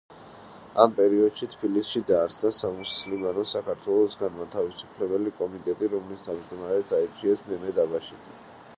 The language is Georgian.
ამ პერიოდში თბილისში დაარსდა სამუსლიმანო საქართველოს განმათავისუფლებელი კომიტეტი, რომლის თავმჯდომარეს აირჩიეს მემედ აბაშიძე.